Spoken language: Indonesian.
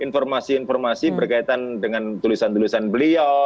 informasi informasi berkaitan dengan tulisan tulisan beliau